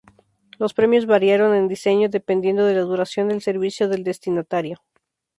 Los premios variaron en diseño dependiendo de la duración del servicio del destinatario.